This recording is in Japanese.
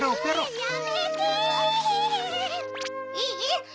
いい？